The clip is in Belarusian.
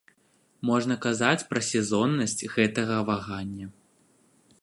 Можна казаць пра сезоннасць гэтага вагання.